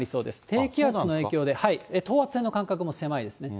低気圧の影響で、等圧線の間隔も狭いですね。